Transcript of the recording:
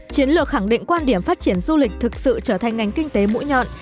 chiến lược khẳng định quan điểm phát triển du lịch thực sự trở thành ngành kinh tế mũi nhọn